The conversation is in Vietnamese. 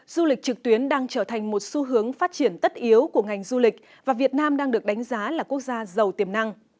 du lịch trực tuyến đang trở thành một xu hướng phát triển tất yếu của ngành du lịch và việt nam đang được đánh giá là quốc gia giàu tiềm năng